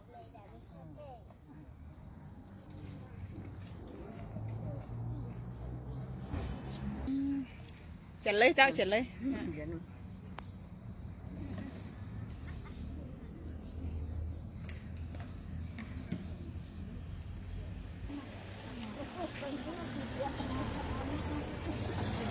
จากที่นี่สิ่งที่เราหาจากที่นี่